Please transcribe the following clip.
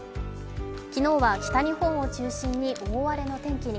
昨日は北日本を中心に大荒れの天気に。